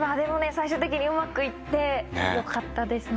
最終的にうまく行ってよかったですね。